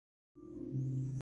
ბოდუენი ტყვედ ჩავარდა.